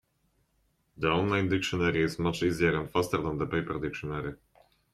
The online dictionary is much easier and faster than the paper dictionary.